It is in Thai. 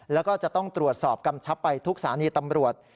แล้วก็จะต้องตรวจสอบกำชับไปทุกสถานีตำรวจ